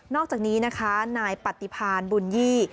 อกจากนี้นะคะนายปฏิพานบุญยี่